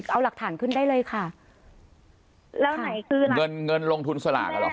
เอาหลักฐานขึ้นได้เลยค่ะแล้วไหนขึ้นเงินเงินลงทุนสลากอ่ะเหรอ